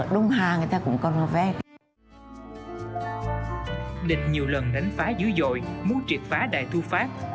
đánh phá dữ dội muốn triệt phá đài thu pháp